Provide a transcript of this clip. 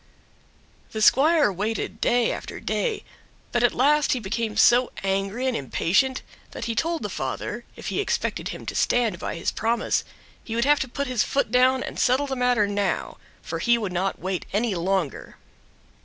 The squire waited day after day, but at last he became so angry and impatient that he told the father, if he expected him to stand by his promise, he would have to put his foot down and settle the matter now, for he would not wait any longer.